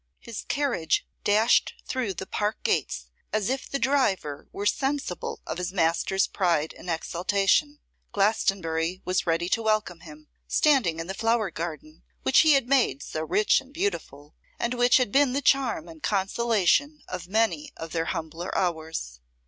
His carriage dashed through the park gates as if the driver were sensible of his master's pride and exultation. Glastonbury was ready to welcome him, standing in the flower garden, which he had made so rich and beautiful, and which had been the charm and consolation of many of their humbler hours.